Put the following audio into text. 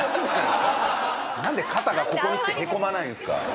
なんで肩がここに来てへこまないんですか？